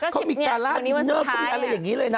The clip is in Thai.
เขามีการล่าดินเนอร์เขามีอะไรอย่างนี้เลยนะ